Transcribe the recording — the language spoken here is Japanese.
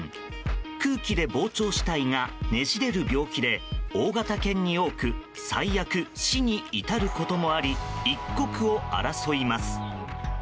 空気で膨張した胃がねじれる病気で大型犬に多く最悪、死に至ることもあり一刻を争います。